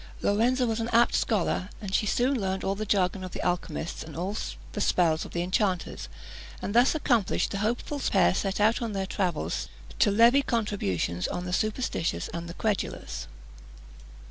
Lorenza was an apt scholar; she soon learned all the jargon of the alchymists and all the spells of the enchanters; and thus accomplished the hopeful pair set out on their travels, to levy contributions on the superstitious and the credulous.